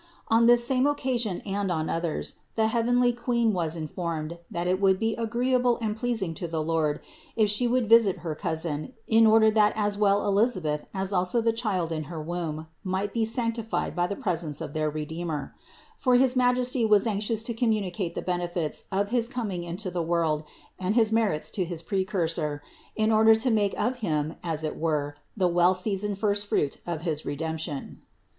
On this same occasion and on others the heavenly Queen was in formed, that it would be agreeable and pleasing to the Lord, if She would visit her cousin, in order that as well Elisabeth as also the child in her womb might be sanctified by the presence of their Redeemer; for his Majesty was anxious to communicate the benefits of his coming into the world and his merits to his Precursor, in order to make of him as it were the well seasoned first fruit of his Redemption.